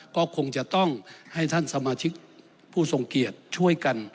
ก็คงจะต้องให้ท่านสมาชิกผู้ทรงเกียจช่วยกัน